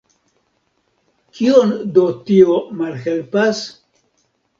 Kion do tio malhelpas?